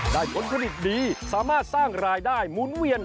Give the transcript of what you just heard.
ผลผลิตดีสามารถสร้างรายได้หมุนเวียน